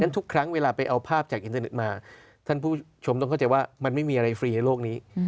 ทุกครั้งเวลาไปเอาภาพจากอินเทอร์เน็ตมาท่านผู้ชมต้องเข้าใจว่ามันไม่มีอะไรฟรีในโลกนี้